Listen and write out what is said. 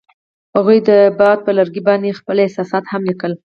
هغوی د باد پر لرګي باندې خپل احساسات هم لیکل.